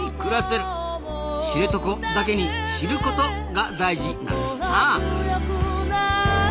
「知床」だけに「知ること」が大事なんですなあ。